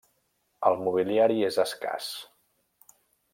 El mobiliari és escàs.